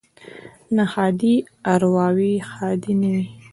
ـ ناښادې ارواوې ښادې نه وي.